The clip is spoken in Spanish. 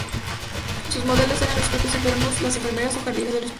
Sus modelos eran los propios enfermos, las enfermeras o los jardines del hospital.